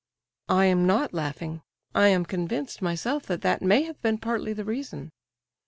"I'm not laughing. I am convinced, myself, that that may have been partly the reason."